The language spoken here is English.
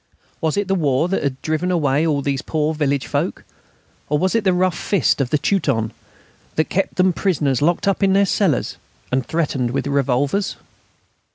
Was it the war that had driven away all those poor village folk, or was it the rough fist of the Teuton that kept them prisoners locked up in their cellars and threatened with revolvers?